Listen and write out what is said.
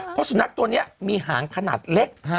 เพราะสุนัขตัวนี้มีหางขนาดเล็ก